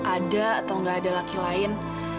ada atau nggak ada laki lain